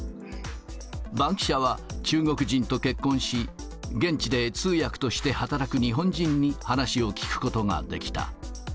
バンキシャは、中国人と結婚し、現地で通訳として働く日本人に話を聞くことができた。